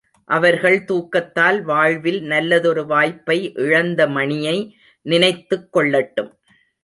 அவர்கள் தூக்கத்தால் வாழ்வில் நல்லதொரு வாய்ப்பை இழந்த மணியை நினைத்துக் கொள்ளட்டும்.